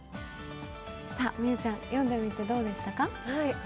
美羽ちゃん、読んでみてどうでしたか？